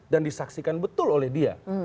dan disaksikan betul oleh dia